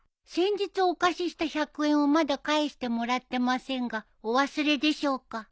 「先日お貸しした１００円をまだ返してもらってませんがお忘れでしょうか？」